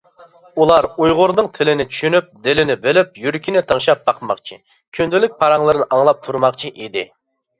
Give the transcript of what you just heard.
ئۇلار ئۇيغۇرنىڭ تىلىنى چۈشىنىپ، دىلىنى بىلىپ، يۈرىكىنى تىڭشاپ باقماقچى، كۈندىلىك پاراڭلىرىنى ئاڭلاپ تۇرماقچى ئىدى.